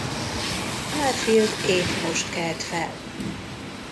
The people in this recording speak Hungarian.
Garfield épp most kelt fel.